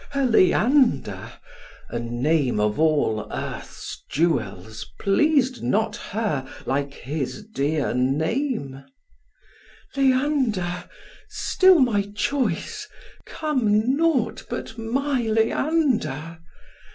her Leander, A name of all earth's jewels pleas'd not her Like his dear name: "Leander, still my choice, Come naught but my Leander!